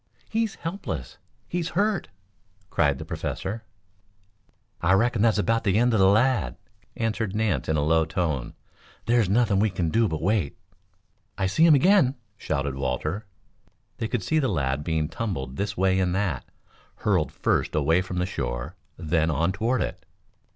"He's helpless! He's hurt!" cried the Professor. "I reckon that's about the end of the lad," answered Nance in a low tone. "There's nothing we can do but to wait." "I see him again!" shouted Walter. They could see the lad being tumbled this way and that, hurled first away from the shore, then on toward it.